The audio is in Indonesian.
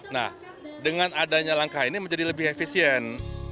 nah dengan adanya langkah ini menjadi lebih efisien